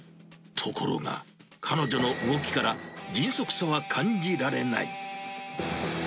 ところが、彼女の動きから迅速さは感じられない。